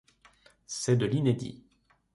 C’est de l’inédit.